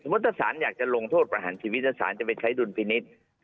ถ้าศาลอยากจะลงโทษประหารชีวิตถ้าสารจะไปใช้ดุลพินิษฐ์